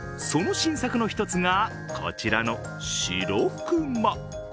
その新作の１つがこちらのしろくま。